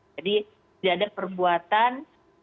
jadi tidak ada perbuatan